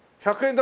５００円